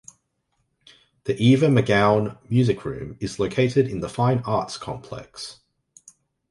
The Eva McGown Music Room is located in the Fine Arts Complex.